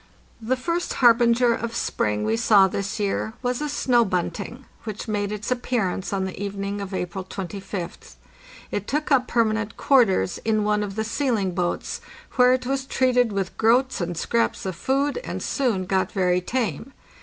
The first harbinger of spring we saw this year was a snow bunting, which made its appearance on the evening of April 25th. It took up permanent quarters in one of the sealing boats, where it was treated with groats and scraps of food, and soon got very tame.